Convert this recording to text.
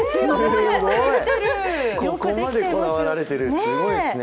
ここまでこだわられてる、すごいですね。